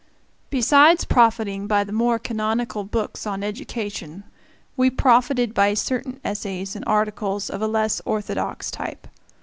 Besides profiting by the more canonical books on education, we profited by certain essays and articles of a less orthodox type.